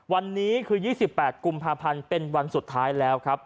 วันนี้คือ๒๘กุมภาพันธ์เป็นวันสุดท้ายแล้วครับ